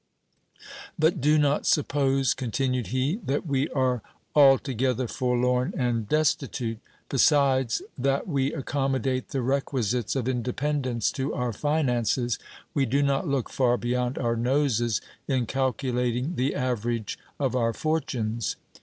But do not suppose, continued he, that we are altogether forlorn and destitute: besides that we accommodate the requisites of independence to our finances, we do not look far beyond our noses in calculating the average of our fortunes.